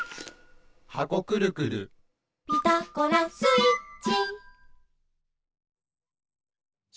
「ピタゴラスイッチ」